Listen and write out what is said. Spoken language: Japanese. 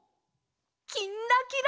「きんらきら」。